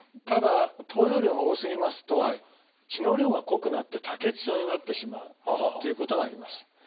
ただ投与量が多すぎますと血の量が濃くなって多血症になってしまうっていうことがあります。